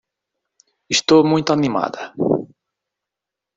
Estou muito animada